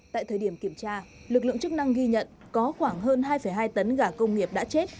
tại thời điểm kiểm tra lực lượng chức năng ghi nhận có khoảng hơn hai hai tấn gà công nghiệp đã chết